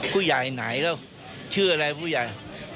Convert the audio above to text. ผู้ใหญ่ไหนแล้วชื่ออะไรผู้ใหญ่